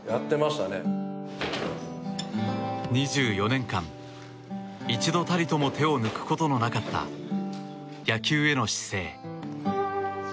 ２４年間、一度たりとも手を抜くことのなかった野球への姿勢。